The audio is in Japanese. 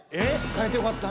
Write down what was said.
替えてよかった。